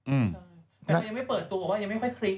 อืม